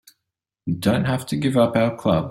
We don't have to give up our club.